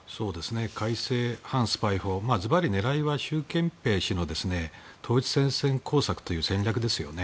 改正反スパイ法ズバリ、狙いは習近平氏の統一戦線工作という戦略ですよね。